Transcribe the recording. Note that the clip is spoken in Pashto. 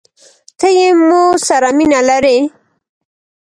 ته يې مو سره مينه لرې؟